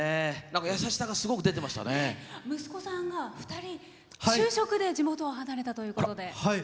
優しさが息子さんが２人就職で地元を離れたということで。